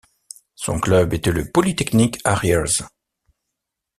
Son club était le Polytechnic Harriers.